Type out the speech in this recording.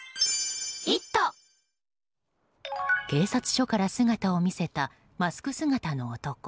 警察署から姿を見せたマスク姿の男。